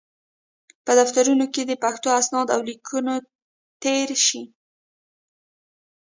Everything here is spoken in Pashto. په دفترونو کې دې پښتو اسناد او لیکونه تېر شي.